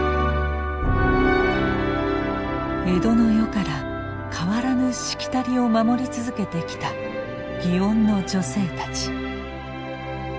江戸の世から変わらぬ「しきたり」を守り続けてきた祇園の女性たち。